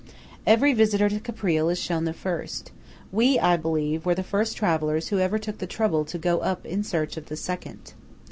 Every visitor to Caprile is shown the first: we, I believe, were the first travellers who ever took the trouble to go up in search of the second.